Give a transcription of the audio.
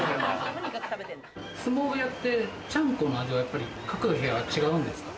相撲部屋ってちゃんこの味は各部屋、違うんですか？